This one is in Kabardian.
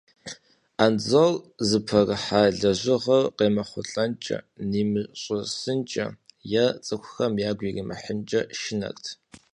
Анзор зыпэрыхьа лэжьыгъэр къемыхъулӀэнкӀэ, нимыщӀысынкӀэ е цӀыхухэм ягу иримыхьынкӀэ шынэрт.